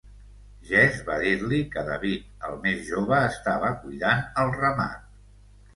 Jesse va dir-li que David, el més jove, estava cuidant el ramat.